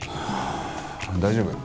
大丈夫。